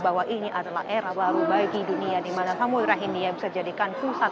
bahwa ini adalah era baru bagi dunia di mana samudera india bisa dijadikan pusat